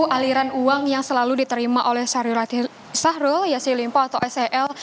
aliran uang yang selalu diterima oleh sahrul yassin limpo atau sel